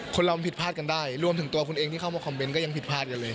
คนเรามันผิดพลาดกันได้รวมถึงตัวคุณเองที่เข้ามาคอมเมนต์ก็ยังผิดพลาดกันเลย